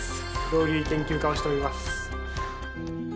料理研究家をしております。